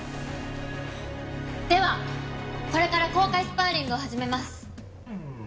ではこれから公開スパーリングを始めます。